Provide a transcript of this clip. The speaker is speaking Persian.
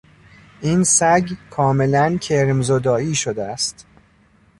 این سگ کاملا کرمزدایی شده است.